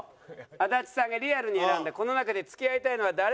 足立さんがリアルに選んだこの中で付き合いたいのは誰？